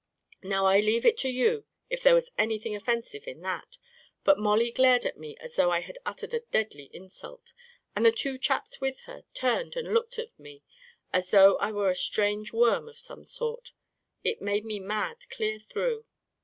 Now I leave it to you if there was anything of fensive in that ; but Mollie glared at me as though I had uttered a deadly insult, and the two chaps with her turned and looked at me as though I were a strange worm of some sort. It made me mad clear through.